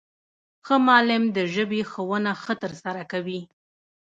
ښه معلم د ژبي ښوونه ښه ترسره کوي.